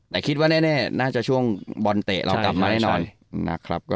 แต่คิดว่าแน่น่าจะช่วงบอลเตะเรากลับมาแน่นอนนะครับ